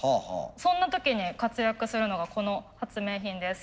そんな時に活躍するのがこの発明品です。